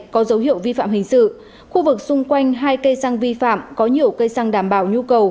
có dấu hiệu vi phạm hình sự khu vực xung quanh hai cây xăng vi phạm có nhiều cây xăng đảm bảo nhu cầu